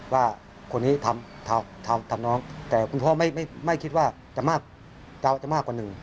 ว่าคนนี้ทำน้องแต่คุณพ่อไม่คิดว่าจะมากจะมากกว่าหนึ่ง